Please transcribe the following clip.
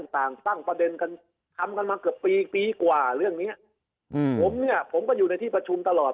ต่างตั้งประเด็นกันทำกันมาเกือบปีปีกว่าเรื่องเนี้ยอืมผมเนี่ยผมก็อยู่ในที่ประชุมตลอด